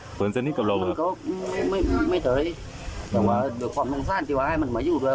เหมือนเซ็นต์นี้กับเราเหรอไม่เฉยแต่ว่ามันมาอยู่เลย